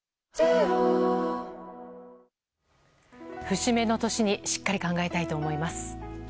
節目の年にしっかり考えたいと思います。